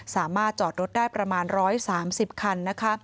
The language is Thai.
สามารถจอดรถได้ประมาณ๑๓๐คันนะคะ